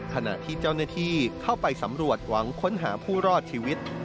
ขณะที่เจ้าหน้าที่เข้าไปสำรวจหวังค้นหาผู้รอดชีวิต